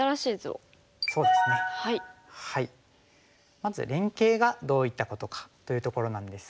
まず連携がどういったことかというところなんですが。